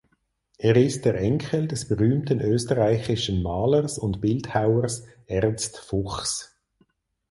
Er ist der Enkel des berühmten österreichischen Malers und Bildhauers Ernst Fuchs.